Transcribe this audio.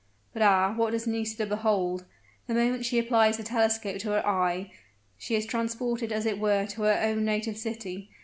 But ah! what does Nisida behold? The moment she applies the telescope to her eye, she is transported as it were to her own native city.